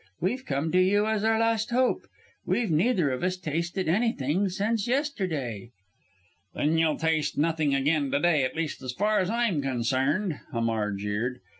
"We've come to you as our last hope. We've neither of us tasted anything since yesterday." "Then you'll taste nothing again to day at least as far as I'm concerned," Hamar jeered.